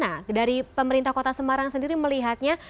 nah dari pemerintah kota semarang sendiri melihatnya